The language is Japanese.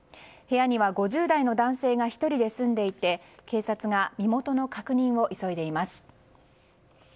部屋には５０代の男性が１人で住んでいて警察が身元の確認を急いでいます。